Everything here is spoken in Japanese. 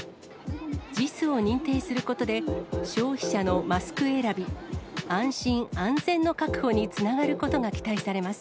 ＪＩＳを認定することで、消費者のマスク選び、安心安全の確保につながることが期待されます。